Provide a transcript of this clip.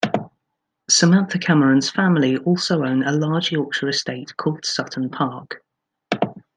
Samantha Cameron's family also own a large Yorkshire estate called Sutton Park.